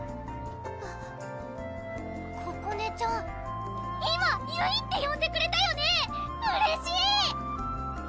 あっここねちゃん今ゆいってよんでくれたよねうれしい！